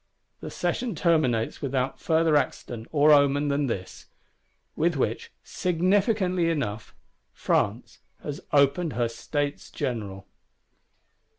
The session terminates without further accident or omen than this; with which, significantly enough, France has opened her States General.